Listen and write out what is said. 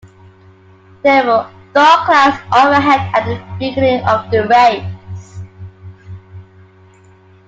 There were dark clouds overhead at the beginning of the race.